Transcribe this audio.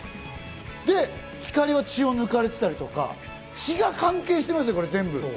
で光莉は血を抜かれてたりとか、血が関係してますよ、これ全部。